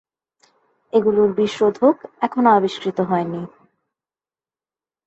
এগুলোর বিষ-রোধক এখনো আবিষ্কৃত হয়নি।